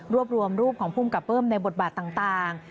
รวมรูปของภูมิกับเบิ้มในบทบาทต่าง